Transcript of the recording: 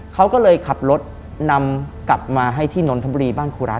เขาก็เลยขับรถนำกลับมาให้ที่นนทบุรีบ้านครูรัฐ